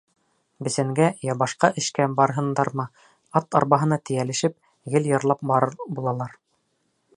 Бесәнгә йә башҡа эшкә барһындармы, ат арбаһына тейәлешеп, гел йырлап барыр булалар.